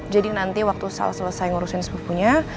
jadi nanti waktu sal selesai ngurusin sepupunya